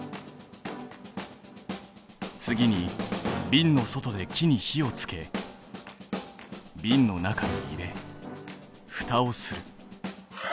次にびんの外で木に火をつけびんの中に入れふたをする。